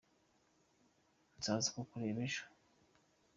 Nzaza kukureba ejo.